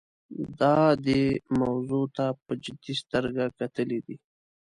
دا دې موضوع ته په جدي سترګه کتلي دي.